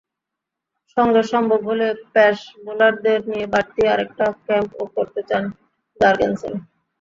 সঙ্গে সম্ভব হলে পেস বোলারদের নিয়ে বাড়তি আরেকটা ক্যাম্পও করতে চান জার্গেনসেন।